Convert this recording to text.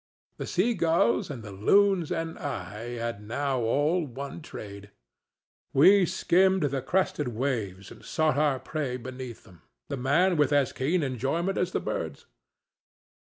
The seagulls and the loons and I had now all one trade: we skimmed the crested waves and sought our prey beneath them, the man with as keen enjoyment as the birds.